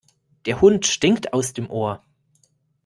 Der Hund stinkt aus dem Ohr.